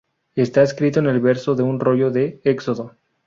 Está escrito en el verso de un rollo de Éxodo.